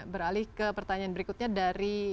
beralih ke pertanyaan berikutnya dari